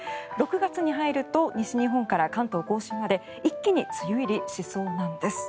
６月に入ると西日本から関東・甲信まで一気に梅雨入りしそうなんです。